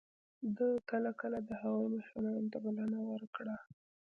ده کله کله د هغوی مشرانو ته بلنه ورکړه.